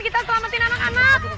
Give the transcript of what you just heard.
kita selamatin anak anak